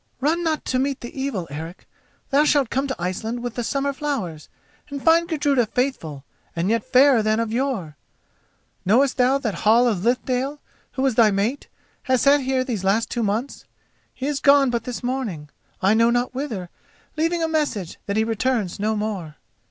"Run not to meet the evil, Eric. Thou shalt come to Iceland with the summer flowers and find Gudruda faithful and yet fairer than of yore. Knowest thou that Hall of Lithdale, who was thy mate, has sat here these two months? He is gone but this morning, I know not whither, leaving a message that he returns no more."